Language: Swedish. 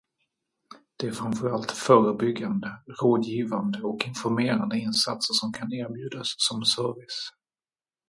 Det är framför allt förebyggande, rådgivande och informerande insatser som kan erbjudas som service.